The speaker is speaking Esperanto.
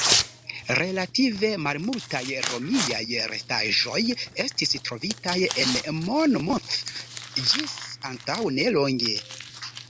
Relative malmultaj Romiaj restaĵoj estis trovitaj en Monmouth ĝis antaŭ nelonge.